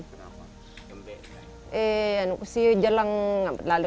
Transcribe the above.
ndek kuah sama sekali